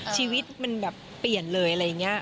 ชีวีดไปเปลี่ยนเลยอะไรอย่างเงี้ย